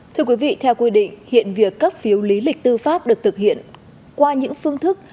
thưa quý vị theo quy định hiện việc cấp phiếu lý lịch tư pháp được thực hiện qua những phương thức